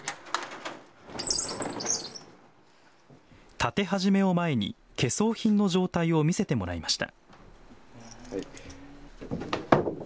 建て始めを前に、懸装品の状態を見せてもらいました。